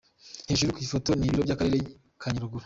Hejuru ku ifoto ni ibiro by’Akarere ka Nyaruguru.